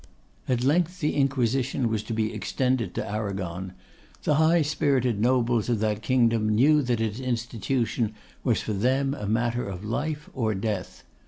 At length the Inquisition was to be extended to Arragon. The high spirited nobles of that kingdom knew that its institution was for them a matter of life or death.